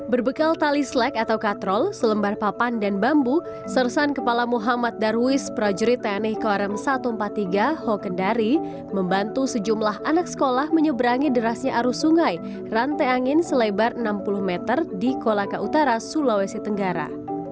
berbekal tali slek atau katrol selembar papan dan bambu sersan kepala muhammad darwis prajurit tni korem satu ratus empat puluh tiga hokendari membantu sejumlah anak sekolah menyeberangi derasnya arus sungai rantai angin selebar enam puluh meter di kolaka utara sulawesi tenggara